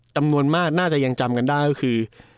จำนวนมากน่าจะยังจำกันได้ก็คือ